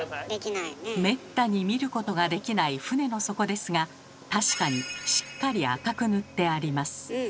めったに見ることができない船の底ですが確かにしっかり赤く塗ってあります。